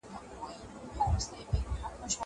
زه به اوږده موده سينه سپين کړی وم!